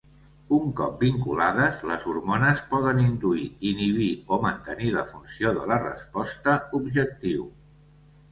Un cop vinculades, les hormones poden induir, inhibir o mantenir la funció de la resposta objectiu.